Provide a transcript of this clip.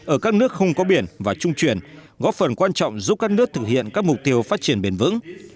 ở các nước không có biển và trung chuyển góp phần quan trọng giúp các nước thực hiện các mục tiêu phát triển bền vững